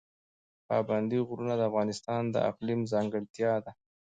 پابندی غرونه د افغانستان د اقلیم ځانګړتیا ده.